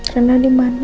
rena dimana ya